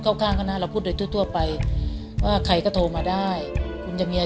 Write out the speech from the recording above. เขาก็เคยทำงานที่กรมเนี่ย